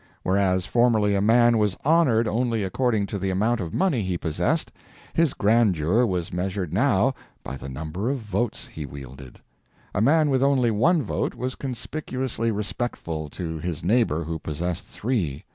Whereas formerly a man was honored only according to the amount of money he possessed, his grandeur was measured now by the number of votes he wielded. A man with only one vote was conspicuously respectful to his neighbor who possessed three.